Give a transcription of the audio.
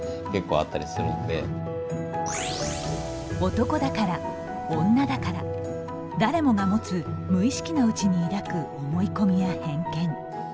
男だから女だから誰もが持つ無意識のうちに抱く思い込みや偏見。